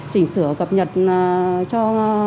chỉnh sửa cập nhật cho